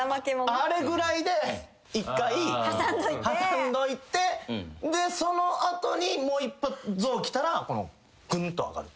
あれぐらいで１回挟んどいてその後にゾウきたらぐんと上がる。